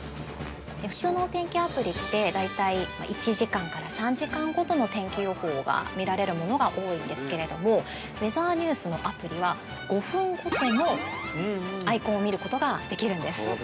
◆普通のお天気アプリって、大体１時間から３時間ごとの天気予報が見られるものが多いんですけれども、ウェザーニュースのアプリは、５分ごとのアイコンを見ることができるんです。